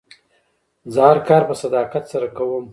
زه هر کار په صداقت سره کوم.